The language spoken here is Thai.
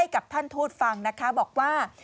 กับท่านทูตฟังนะคะบอกว่า